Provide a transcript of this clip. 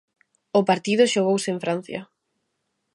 O partido xogouse en Francia.